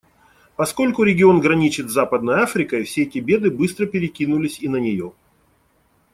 Поскольку регион граничит с Западной Африкой, все эти беды быстро перекинулось и на нее.